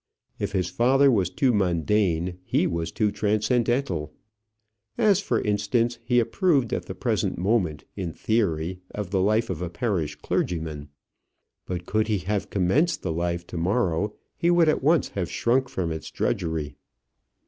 If his father was too mundane, he was too transcendental. As for instance, he approved at the present moment, in theory, of the life of a parish clergyman; but could he have commenced the life to morrow, he would at once have shrunk from its drudgery.